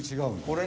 これ。